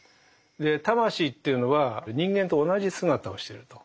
で魂というのは人間と同じ姿をしてると。